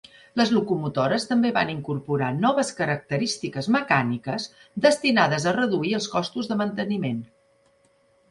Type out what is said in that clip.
Les locomotores també van incorporar noves característiques mecàniques destinades a reduir els costos de manteniment.